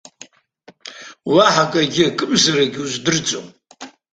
Уаҳа акгьы, акымзаракгьы уздырӡом?